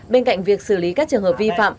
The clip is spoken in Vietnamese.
bên cạnh việc xử lý các trường hợp